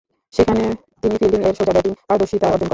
সেখানে তিনি ফিল্ডিং এবং সোজা ব্যাটিংয়ে পারদর্শীতা অর্জন করেন।